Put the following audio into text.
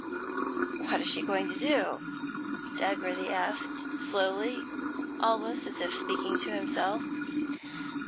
'What is she going to do?' Dagworthy asked, slowly, almost as if speaking to himself.